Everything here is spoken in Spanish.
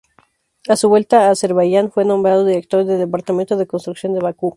A su vuelta a Azerbaiyán fue nombrado director del departamento de construcción de Bakú.